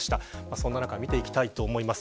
そんな中見ていきたいと思います。